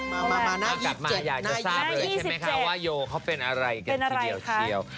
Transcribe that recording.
น่าอย่างจะทราบเลยใช่ไหมคะว่าโยเขาเป็นอะไรคือเป็นชิล